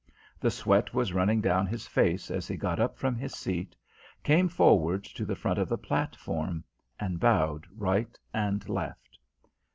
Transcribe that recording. The sweat was running down his face as he got up from his seat, came forward to the front of the platform, and bowed right and left.